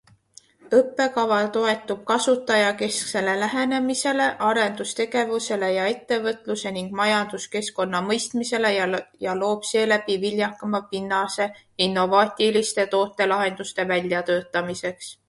Õppekava toetub kasutajakesksele lähenemisele, arendustegevusele ja ettevõtluse ning majanduskeskkonna mõistmisele ja loob seeläbi viljakama pinnase innovaatiliste tootelahenduste väljatöötamiseks.